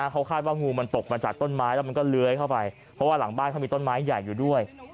เขาคาดว่างูมันตกมาจากต้นไม้แล้วมันก็เลื้อยเข้าไปเพราะว่าหลังบ้านเขามีต้นไม้ใหญ่อยู่ด้วย